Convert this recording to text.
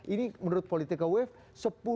ini menurut politika wave